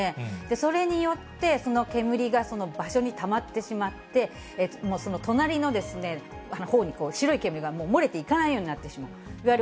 それによって、その煙が場所にたまってしまって、隣のほうに白い煙が漏れていかないようになってしまっている。